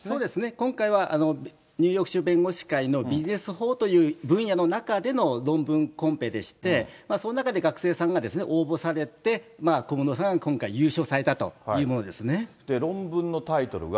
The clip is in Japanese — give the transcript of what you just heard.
今回はニューヨーク州弁護士会のビジネス法という分野の中での論文コンペでして、その中で学生さんが応募されて、小室さんが今回、論文のタイトルが。